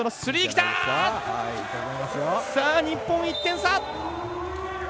さあ日本１点差！